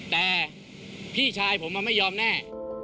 แต่พี่ชายผมไม่ยอมแน่